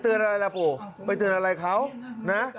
อะไรล่ะปู่ไปเตือนอะไรเขานะ